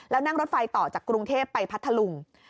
แล้วนั่งรถไฟต่อจากกรุงเทพไปพัทธลุง